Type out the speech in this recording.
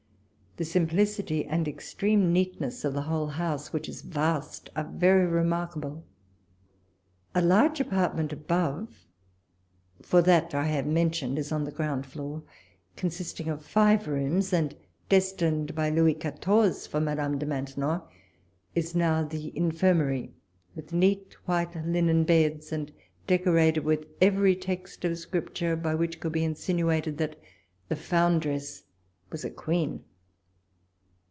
The simplicity and extreme neatness of the whole house, which is vast, are very remarkable. A large apartment above (for that I have mentioned is on the ground floor;, consisting of five rooms, and destined by Louis Quatorze for Madame de Maintenou, is now the infirmary, with neat white linen beds, and deco rated with every text of Scripture by which could be insinuated that the foundress was a Queen.